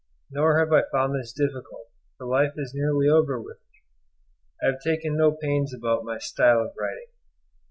Nor have I found this difficult, for life is nearly over with me. I have taken no pains about my style of writing.